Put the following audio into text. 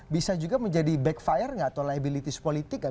bisa juga menjadi backfire nggak atau liabilities politik nggak